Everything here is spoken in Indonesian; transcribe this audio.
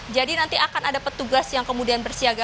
jadi nanti akan ada petugas yang kemudian bersiaga